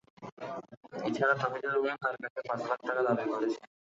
এ ছাড়া তহিদুর রহমান তাঁর কাছে পাঁচ লাখ টাকা দাবি করেছেন।